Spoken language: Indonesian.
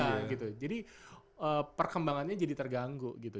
nah gitu jadi perkembangannya jadi terganggu gitu